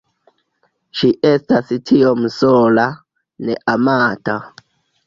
Ŝi estas tiom sola... ne amata